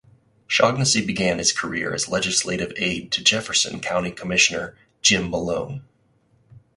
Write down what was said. Shaughnessy began his career as legislative aid to Jefferson County Commissioner Jim Malone.